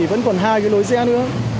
vẫn còn hai cái lối xe nữa